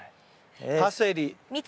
パセリ。